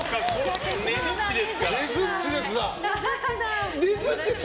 ねづっちです、だ。